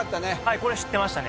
これ知ってましたね